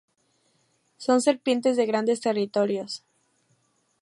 Son serpientes de grandes territorios.